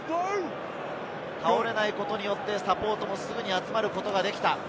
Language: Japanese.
倒れないことによってサポートもすぐに集まることができた。